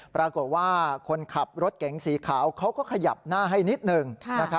ปรากฏว่าคนขับรถเก๋งสีขาวเขาก็ขยับหน้าให้นิดหนึ่ง